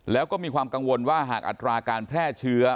แล้วก็มีความกังวลว่าหากอัตราการแพร่เชื้อ